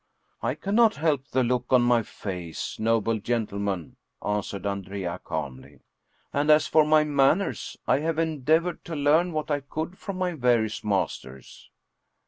" I cannot help the look on my face, noble gentlemen," answered Andrea calmly. " And as for my manners, I have endeavored to learn what I could from my various masters."